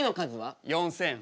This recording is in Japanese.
４，０００。